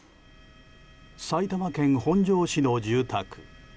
埼玉県本庄市の住宅。